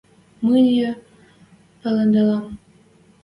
Мӹньӹ пӓлӹделам.